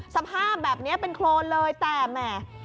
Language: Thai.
สภาพแบบนี้เป็นโครนเลยแต่แหม